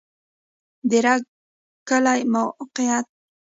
د رګ کلی موقعیت